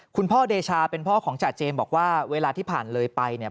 คุณพ่อเดชาเป็นพ่อของจ่าเจมส์บอกว่าเวลาที่ผ่านเลยไปเนี่ย